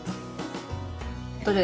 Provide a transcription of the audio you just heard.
どれ？